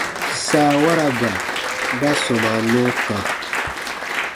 Saawaraba ba sɔmaa nɔɔ kã.